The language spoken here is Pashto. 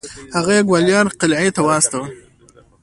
هغه یې ګوالیار قلعې ته واستوه.